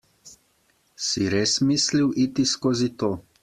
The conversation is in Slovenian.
Si res mislil iti skozi to?